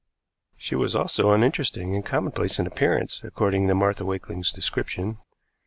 She was also uninteresting and commonplace in appearance, according to Martha Wakeling's description.